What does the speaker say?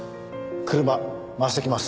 車回してきます。